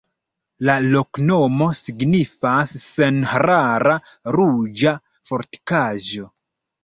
La loknomo signifas: senharara-ruĝa-fortikaĵo.